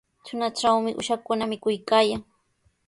Tunatrawmi uushakuna mikuykaayan.